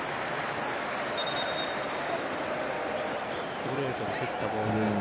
ストレートに蹴ったボール。